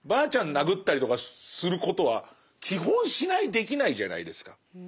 殴ったりとかすることは基本しないできないじゃないですか。